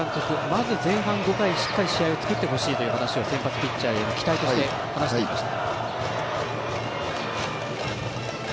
まず前半５回、しっかり試合を作ってほしいという話を先発ピッチャーに期待として、話していました。